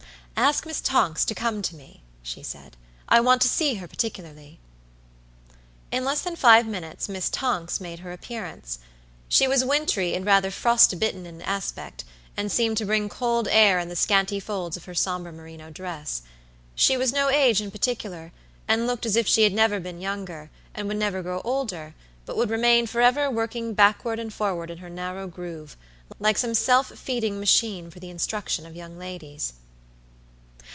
"Ask Miss Tonks to come to me," she said. "I want to see her particularly." In less than five minutes Miss Tonks made her appearance. She was wintry and rather frost bitten in aspect, and seemed to bring cold air in the scanty folds of her somber merino dress. She was no age in particular, and looked as if she had never been younger, and would never grow older, but would remain forever working backward and forward in her narrow groove, like some self feeding machine for the instruction of young ladies.